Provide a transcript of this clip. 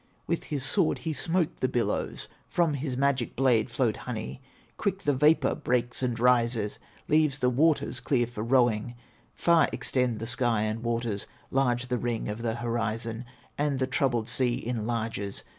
With his sword he smote the billows, From his magic blade flowed honey; Quick the vapor breaks, and rises, Leaves the waters clear for rowing; Far extend the sky and waters, Large the ring of the horizon, And the troubled sea enlarges.